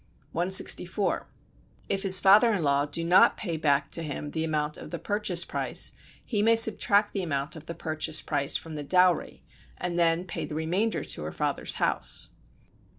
164. If his father in law do not pay back to him the amount of the "purchase price" he may subtract the amount of the "purchase price" from the dowry, and then pay the remainder to her father's house.